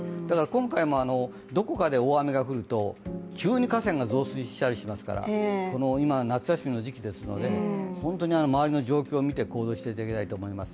今回も、どこかで大雨が降ると急に河川が増水したりしますから夏休みの時期ですので本当に周りの状況を見て行動していただきたいと思います。